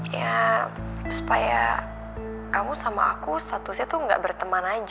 ya supaya kamu sama aku statusnya tuh gak berteman aja